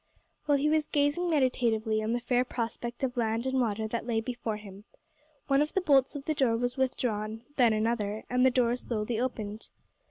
While he was gazing meditatively on the fair prospect of land and water that lay before him, one of the bolts of the door was withdrawn, then another, and the door slowly opened.